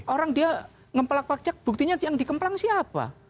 orang dia ngempelang pajak buktinya yang dikempelang siapa